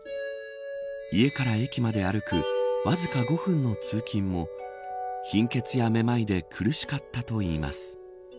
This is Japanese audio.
家から駅まで歩くわずか５分の通勤も貧血や目まいで苦しかったといいます。